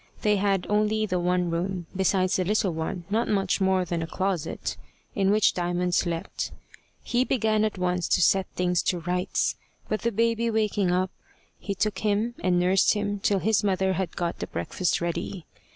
They had only the one room, besides the little one, not much more than a closet, in which Diamond slept. He began at once to set things to rights, but the baby waking up, he took him, and nursed him till his mother had got the breakfast ready.